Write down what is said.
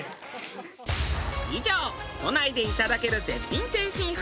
以上都内でいただける絶品天津飯。